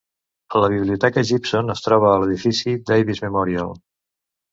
La biblioteca Gibson es troba a l'edifici Davis Memorial.